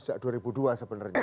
sejak dua ribu dua sebenarnya